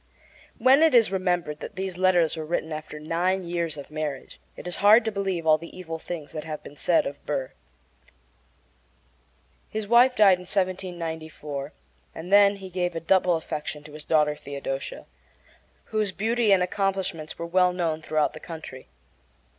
When it is remembered that these letters were written after nine years of marriage it is hard to believe all the evil things that have been said of Burr. His wife died in 1794, and he then gave a double affection to his daughter Theodosia, whose beauty and accomplishments were known throughout the country.